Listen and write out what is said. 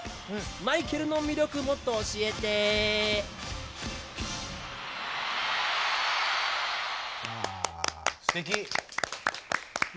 マイケルの魅力もっと教えて！わ。